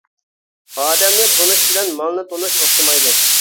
ئادەمنى تونۇش بىلەن مالنى تونۇش ئوخشىمايدۇ.